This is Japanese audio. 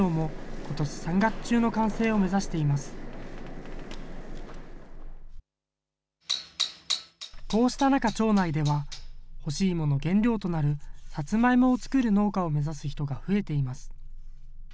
こうした中、町内では干しいもの原料となるさつまいもを作る農家を目指す人が増えています。